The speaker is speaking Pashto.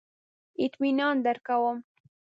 اطمینان درکوم.